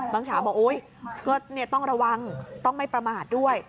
ฉาบอกอุ๊ยก็ต้องระวังต้องไม่ประมาทด้วย